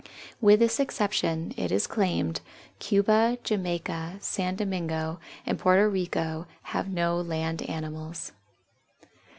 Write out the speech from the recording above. With this exception, it is claimed, Cuba, Jamaica, San Domingo, and Porto Rico have no land animals.